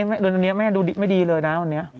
อันนี้ดูไม่ดีเลยนะ